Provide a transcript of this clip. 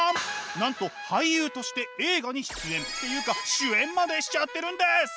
なんと俳優として映画に出演っていうか主演までしちゃってるんです！